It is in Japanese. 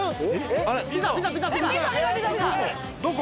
どこ？